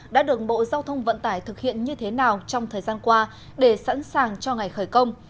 đã được bộ giao thông vận tải thực hiện như thế nào trong thời gian qua để sẵn sàng cho ngày khởi công